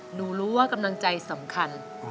หนูรู้ว่ากำลังใจสำคัญ